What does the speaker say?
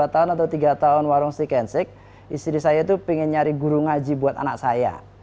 dua tahun atau tiga tahun warung stick and stick istri saya itu pengen nyari guru ngaji buat anak saya